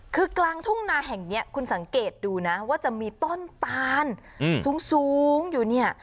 คือกลางทุ่งนาแห่งนี้คุณสังเกตดูนะว่าจะมีต้นตานสูงอยู่เนี่ย